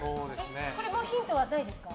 これもヒントはないですか？